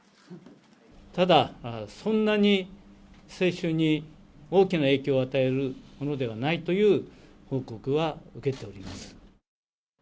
ただ、そんなに接種に大きな影響を与えるものではないという報告は受けております。